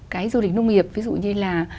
cái du lịch nông nghiệp ví dụ như là